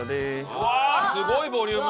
うわーすごいボリューム！